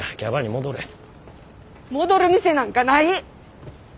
戻る店なんかない！